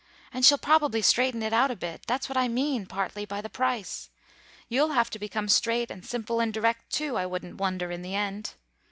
And she'll probably straighten it out a bit; that's what I mean, partly, by the price ... you'll have to become straight and simple and direct too, I wouldn't wonder, in the end.